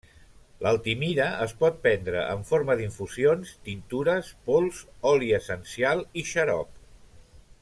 L'altimira es pot prendre en forma d'infusions, tintures, pols, oli essencial i xarop.